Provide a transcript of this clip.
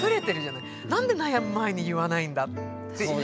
「何で悩む前に言わないんだ」っていう。